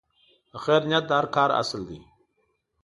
د خیر نیت د هر کار اصل دی.